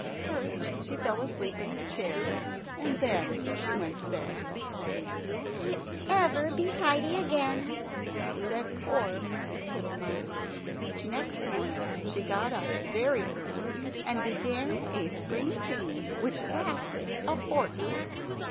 First she fell asleep in her chair, and then she went to bed. "Will it ever be tidy again?" said poor Mrs. Tittlemouse. Next morning she got up very early and began a spring cleaning which lasted a fort night.